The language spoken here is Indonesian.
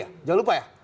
jangan lupa ya